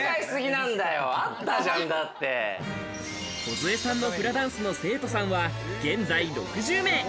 梢さんのフラダンスの生徒さんは現在６０名。